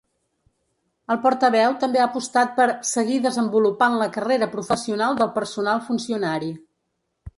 El portaveu també ha apostat per “seguir desenvolupant la carrera professional del personal funcionari”.